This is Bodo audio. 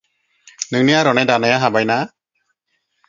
नोंनि आर'नाइ दानाया हाबाय ना?